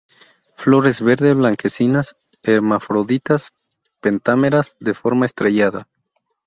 Flores verde-blanquecinas, hermafroditas, pentámeras, de forma estrellada.